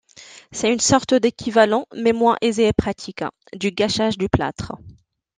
C'est une sorte d'équivalent, mais moins aisé et pratique, du gâchage du plâtre.